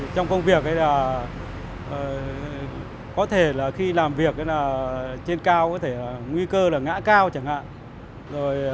trong công việc có thể khi làm việc trên cao nguy cơ là ngã cao chẳng hạn